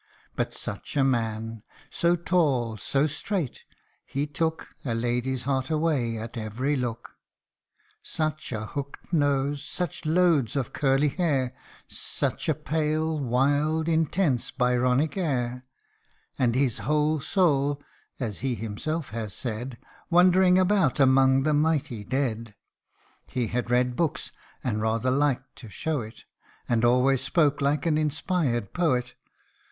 But such a man ! so tall, so straight he took A lady's heart away at every look. Such a hooked nose, such loads of curly hair Such a pale, wild, intense, Byronic air ; And his whole soul, (as he himself has said,) " Wandering about among the mighty dead/' 1 RECOLLECTIONS OF A FADED BEAUTY. 231 He had read books, and rather liked to show it, And always spoke like an inspired poet.